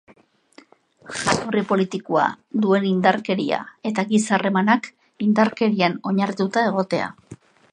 Jatorri politikoa duen indarkeria eta giza harremanak indarkerian oinarrituta egotea.